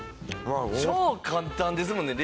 超簡単ですもんね